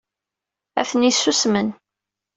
Atni susmen.